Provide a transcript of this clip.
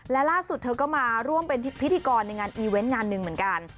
และล่าสุดเธอก็มาร่วมเป็นพิธีกรในงานอีเวนต์งานหนึ่งเหมือนกัน